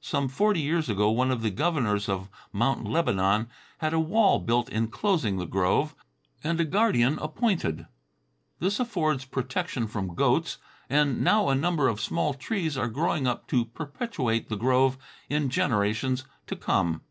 Some forty years ago one of the governors of Mount Lebanon had a wall built inclosing the grove and a guardian appointed. This affords protection from goats, and now a number of small trees are growing up to perpetuate the grove in generations to come.